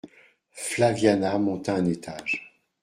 Flaviana monta un étage.